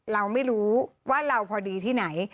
เราไม่รู้ว่าเราพอดีที่ไหน